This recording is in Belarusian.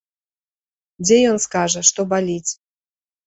Дзе ён скажа, што баліць.